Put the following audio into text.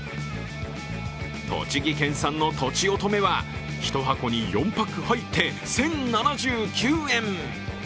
栃木県産のとちおとめは、１箱に４パック入って１０７９円。